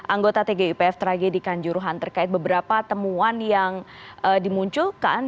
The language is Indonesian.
anggota tgipf tragedikan juruhan terkait beberapa temuan yang dimunculkan